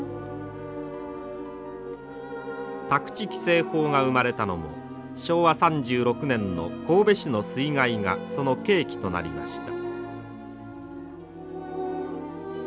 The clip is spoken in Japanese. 宅地規制法が生まれたのも昭和３６年の神戸市の水害がその契機となりました。